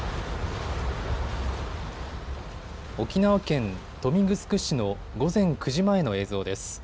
沖縄県豊見城市の午前９時前の映像です。